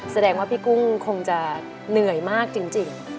แสดงว่าพี่กุ้งคงจะเหนื่อยมากจริง